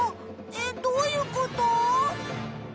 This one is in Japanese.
えっどういうこと？